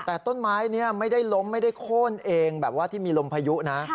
แต่ต้นไม้นี้ไม่ได้ล้มไม่ได้โค้นเองแบบว่าที่มีลมพายุนะ